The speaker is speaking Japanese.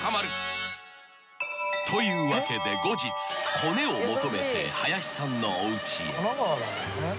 ［というわけで後日コネを求めて林さんのおうちへ］